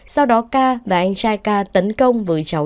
sau đó k và anh trai k tấn công với cháu k